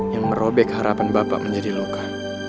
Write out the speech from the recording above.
yang merobek harapan bapak menjadi loka